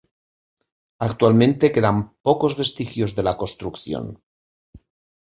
Actualmente quedan pocos vestigios de la construcción.